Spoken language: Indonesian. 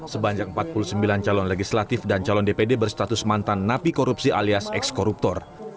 sebanyak empat puluh sembilan calon legislatif dan calon dpd berstatus mantan napi korupsi alias ekskoruptor